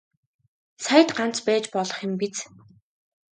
Саяд ганц байж болох юм биз.